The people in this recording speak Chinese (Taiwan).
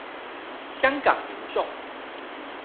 香港民眾